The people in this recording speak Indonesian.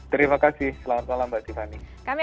terima kasih selamat malam mbak tiffany